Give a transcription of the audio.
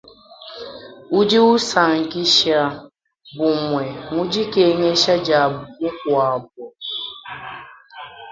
Udi usankisha, bumue mu dikengesha dia mukuabu.